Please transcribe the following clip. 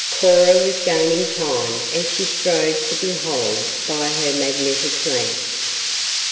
Cora was gaining time as she strove to hold him by her magnetic glance.